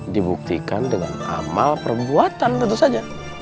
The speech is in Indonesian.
dibuktikan dengan amal perbuatan tentu saja